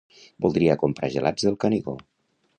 Voldria comprar gelats del Canigó